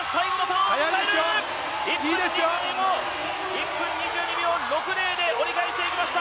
１分２２秒６０で折り返していきました！